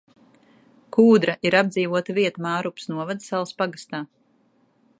Kūdra ir apdzīvota vieta Mārupes novada Salas pagastā.